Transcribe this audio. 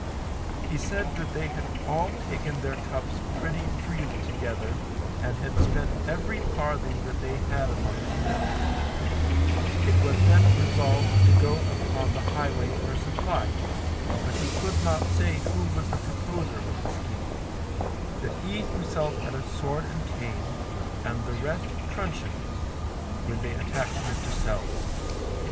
He said that they had all taken their cups pretty freely together, and had spent every farthing that they had amongst them; it was then resolved to go upon the highway for a supply, but he could not say who was the proposer of the scheme; that he himself had a sword and cane, and the rest truncheons, when they attacked Mr. Sells.